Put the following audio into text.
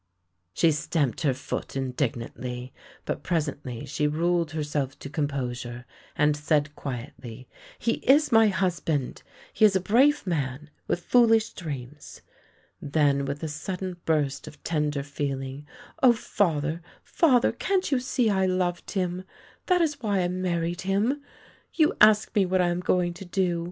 She stamped her foot indignantly, but presently she ruled herself to composure and said quietly: " He is my husband. He is a brave man, with foolish dreams." Then with a sudden burst of tender feeling: " Oh, father, father, can't you see I loved him — that is why I married him. You ask me what am I going to do?